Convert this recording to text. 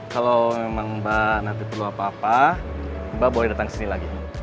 kalau memang mbak nanti perlu apa apa mbak boleh datang ke sini lagi